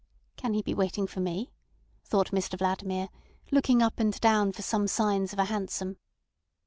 "Can he be waiting for me," thought Mr Vladimir, looking up and down for some signs of a hansom.